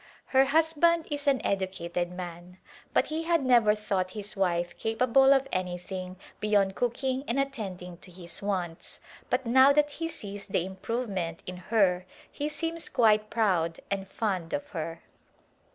Her husband is an educated man, but he had never thought his wife capable of anything beyond cooking and attending to his wants, but now that he sees the improvement in her he seems quite proud and fond of her.